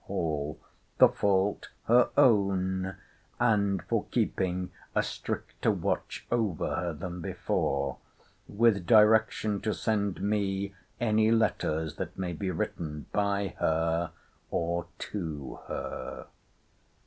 Hall, [the fault her own,] and for keeping a stricter watch over her than before; with direction to send me any letters that may be written by her or to her.